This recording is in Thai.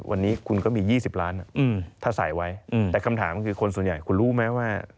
วันนี้คุณก็มี๒๐ล้านถ้าใส่ไว้แต่คำถามคือคนส่วนใหญ่คุณรู้ไหมว่า